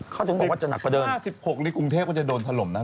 เขาถึงบอกว่าจะหนักประเดิน๕๖ในกรุงเทพฯมันจะโดนถล่มนะ